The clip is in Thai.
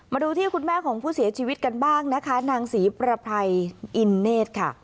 มาดูที่คุณแม่ของผู้เสียชีวิตกันบ้างนะคะนางศรีประไพรอินเนธค่ะ